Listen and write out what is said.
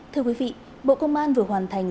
thưa quý vị bộ công an vừa hoàn thành